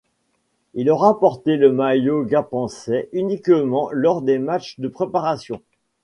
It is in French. Il aura porté le maillot gapençais uniquement lors des matchs de préparation.